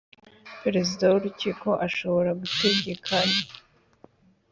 Perezida w Urukiko ashobora gutegeka